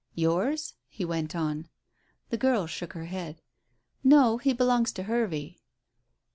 "Yours?" he went on. The girl shook her head. "No, he belongs to Hervey."